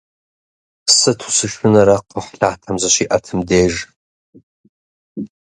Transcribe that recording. Сыту сышынэрэ кхъухьлъатэм зыщиӏэтым деж!